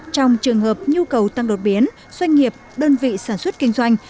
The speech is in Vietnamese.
trong trường hợp nhu cầu tăng đột biến doanh nghiệp đơn vị sản xuất kinh doanh